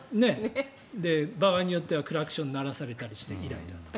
場合によってはクラクションを鳴らされたりしてイライラと。